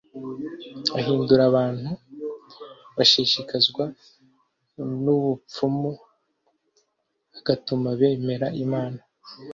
ahindura abantu bashishikazwa n ubupfumu agatuma bemera imana